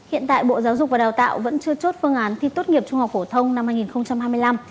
hiện tại bộ giáo dục và đào tạo vẫn chưa chốt phương án thi tốt nghiệp trung học phổ thông năm hai nghìn hai mươi năm